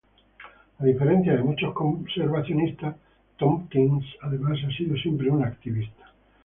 A diferencia de muchos conservacionistas, Tompkins además ha sido siempre un activista.